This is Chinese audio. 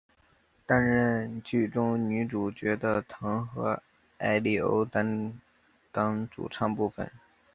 担任剧中女主角的藤和艾利欧担当主唱部分。